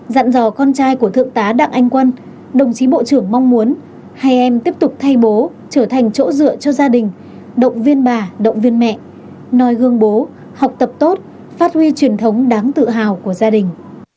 dặn dò con trai của thượng tá đặng anh quân đồng chí bộ trưởng mong muốn hai em tiếp tục thay bố trở thành chỗ dựa cho gia đình động viên bà động viên mẹ noi gương bố học tập tốt phát huy truyền thống đáng tự hào của gia đình